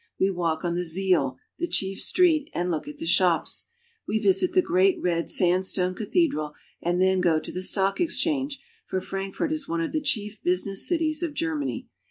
We walk on the Ziel, the chief street, and look at the shops. We visit the great red sandstone cathedral, and then go to the stock exchange, for Frankfurt is one of the chief busi ness cities of Germany.